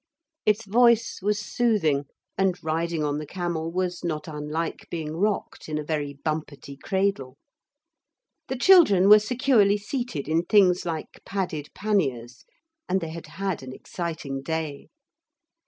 Its voice was soothing, and riding on the camel was not unlike being rocked in a very bumpety cradle. The children were securely seated in things like padded panniers, and they had had an exciting day.